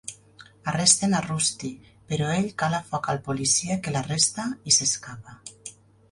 Arresten a Rusty, però ell cala foc al policia que l'arresta i s'escapa.